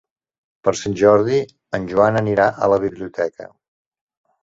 Per Sant Jordi en Jan anirà a la biblioteca.